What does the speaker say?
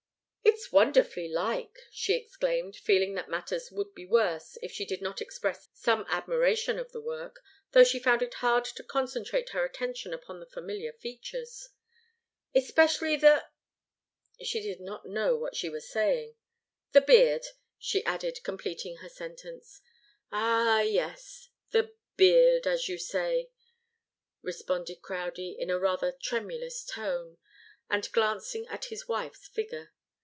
"It's wonderfully like!" she exclaimed, feeling that matters would be worse if she did not express some admiration of the work, though she found it hard to concentrate her attention upon the familiar features. "Especially the" she did not know what she was saying "the beard," she added, completing her sentence. "Ah, yes the beard as you say," responded Crowdie, in a rather tremulous tone, and glancing at his wife's figure.